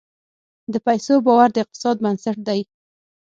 د پیسو باور د اقتصاد بنسټ دی.